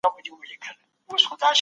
موږ په کار کولو بوخت یو.